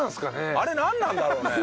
あれなんなんだろうね？